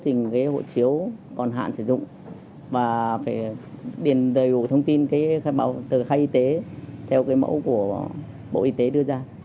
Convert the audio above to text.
trình ghế hộ chiếu còn hạn sử dụng và phải đền đầy đủ thông tin từ khai y tế theo mẫu của bộ y tế đưa ra